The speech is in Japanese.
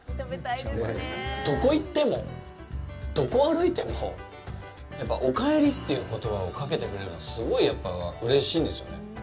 どこ行っても、どこ歩いてもおかえりっていう言葉をかけてくれるのはすごいうれしいんですよね。